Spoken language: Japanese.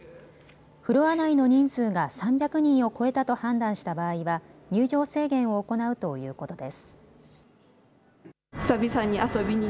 フロア内の人数が３００人を超えたと判断した場合は入場制限を行うということです。